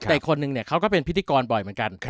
แต่อีกคนนึงเขาก็เป็นพิธีกรบ่อยเหมือนกัน